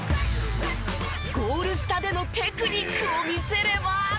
ゴール下でのテクニックを見せれば。